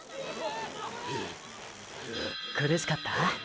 苦しかった？